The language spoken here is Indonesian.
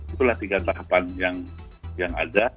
itulah tiga tahapan yang ada